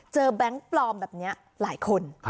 แบงค์ปลอมแบบนี้หลายคน